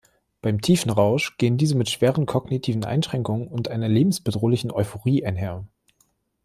Beim Tiefenrausch gehen diese mit schweren kognitiven Einschränkungen und einer lebensbedrohlichen Euphorie einher.